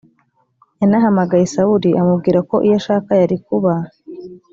yanahamagaye sawuli amubwira ko iyo ashaka yari kuba